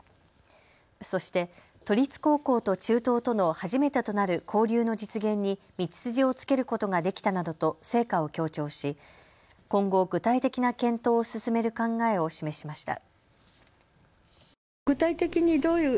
そして都立高校と中東との初めてとなる交流の実現に道筋をつけることができたなどと成果を強調し今後、具体的な検討を進める考えを示しました。